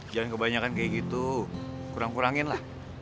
jangan kebanyakan kayak gitu kurang kuranginlah